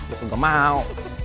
itu gak mau